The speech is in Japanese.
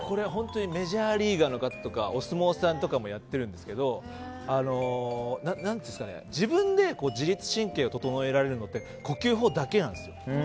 メジャーリーガーとかお相撲さんもやってるんですけど自分で自律神経を整えられるのって呼吸法だけなんですよ。